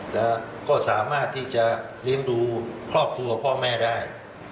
แล้วก็สามารถที่จะเลี้ยงดูครอบครัวพ่อแม่ได้